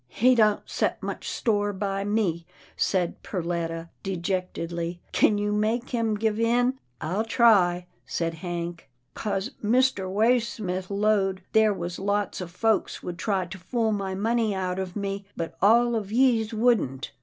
" He don't set much store by me," said Perletta, dejectedly, "kin you make him give in?" " I'll try," said Hank. " 'Cause Mr. Waysmith 'lowed there was lots of folks would try to fool my money out of me, but all of yees wouldn't."